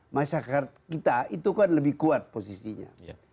masyarakat kita itu kan lebih kuat posisinya